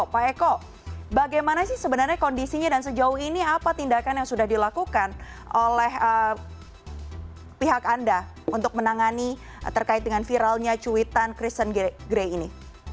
pak eko bagaimana sih sebenarnya kondisinya dan sejauh ini apa tindakan yang sudah dilakukan oleh pihak anda untuk menangani terkait dengan viralnya cuitan kristen grey ini